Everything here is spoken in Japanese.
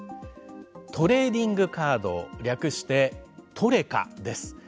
トレーディングカード略してトレカです。